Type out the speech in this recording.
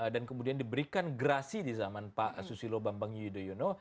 dan kemudian diberikan grasi di zaman pak susilo bambang yudhoyono